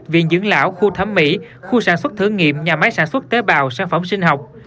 viện dưỡng lão khu thẩm mỹ khu sản xuất thử nghiệm nhà máy sản xuất tế bào sản phẩm sinh học